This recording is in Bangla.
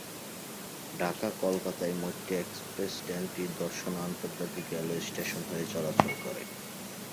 ঢাকা-কলকাতায় মৈত্রী এক্সপ্রেস ট্রেনটি দর্শনা আন্তর্জাতিক রেলওয়ে স্টেশন হয়ে চলাচল করে।